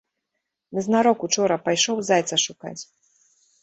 Назнарок учора пайшоў зайца шукаць.